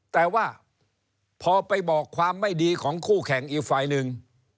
แต่ว่าพอไปบอกความไม่ดีของคู่แข่งอีกฝ่ายหนึ่ง